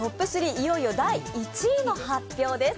いよいよ第１位の発表です。